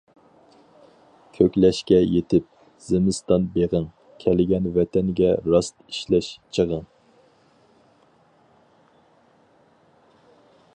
كۆكلەشكە يېتىپ، زىمىستان بېغىڭ، كەلگەن ۋەتەنگە راست ئىشلەش چېغىڭ.